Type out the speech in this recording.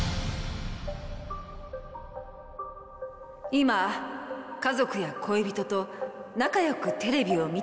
今家族や恋人と仲良くテレビを見ているあ・な・た。